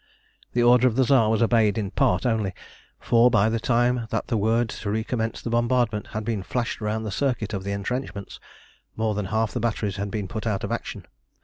The order of the Tsar was obeyed in part only, for by the time that the word to recommence the bombardment had been flashed round the circuit of the entrenchments, more than half the batteries had been put out of action.